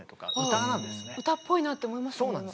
歌っぽいなって思いましたもん。